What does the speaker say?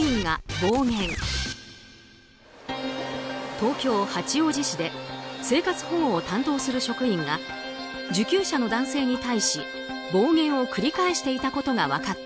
東京・八王子市で生活保護を担当する職員が受給者の男性に対し暴言を繰り返していたことが分かった。